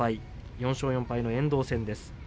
４勝４敗の遠藤戦です。